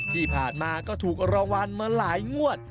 ที่ผ่านมาก็ถูกรางวัลมาหลายงวด